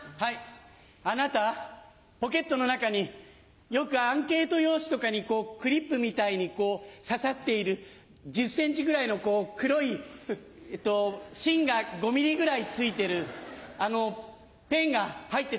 あなたポケットの中によくアンケート用紙とかにこうクリップみたいにこうささっている１０ｃｍぐらいのこう黒いえっと芯が５ｍｍぐらい付いてるあのペンが入ってたわよ。